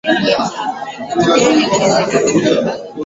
Yeye ni mwizi.